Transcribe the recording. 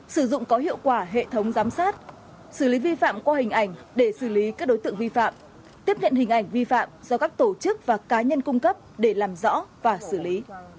sử dụng có hiệu quả hệ thống giám sát xử lý vi phạm qua hình ảnh để xử lý các đối tượng vi phạm tiếp nhận hình ảnh vi phạm do các tổ chức và cá nhân cung cấp để làm rõ và xử lý